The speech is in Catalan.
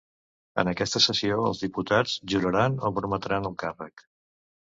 En aquesta sessió, els diputats juraran o prometran el càrrec.